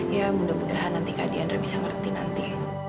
ya mudah mudahan nanti kak diandra bisa mengerti nanti